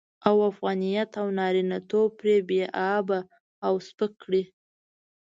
او افغانيت او نارينه توب پرې بې آبه او سپک کړي.